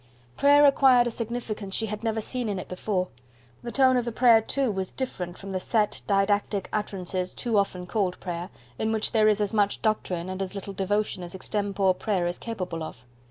Prayer acquired a significance she had never seen in it before; the tone of the prayer, too, was different from the set didactic utterances too often called prayer, in which there is as much doctrine and as little devotion as extempore prayer is capable of.